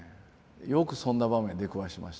よくそんな場面に出くわしました。